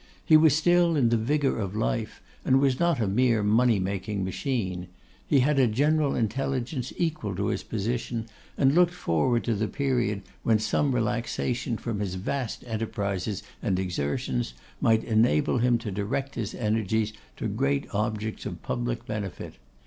He was still in the vigour of life, and was not a mere money making machine. He had a general intelligence equal to his position, and looked forward to the period when some relaxation from his vast enterprises and exertions might enable him to direct his energies to great objects of public benefit.